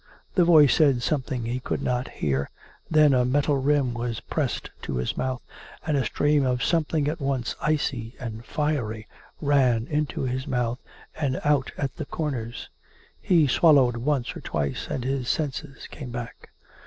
The voice said something he could not hear. Then a metal rim was pressed to his mouth; and a stream of something at once icy and fiery ran into his mouth and out at the corners. He swallowed once or twice ; and his senses came back.